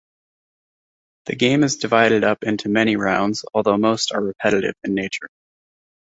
The game is divided up into many rounds, although most are repetitive in nature.